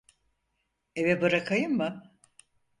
Eve bırakayım mı?